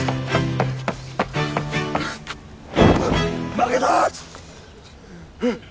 負けた！